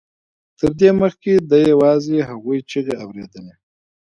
تر دې مخکې ده یوازې د هغوی چیغې اورېدلې